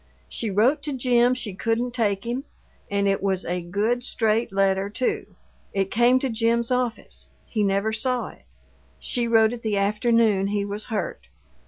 She wrote to Jim she couldn't take him, and it was a good, straight letter, too. It came to Jim's office; he never saw it. She wrote it the afternoon he was hurt."